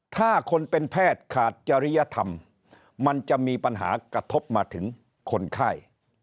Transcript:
ถ้าคนเป็นแพทย์ขาดจริยธรรมมันจะมีปัญหากระทบมาถึงคนไข้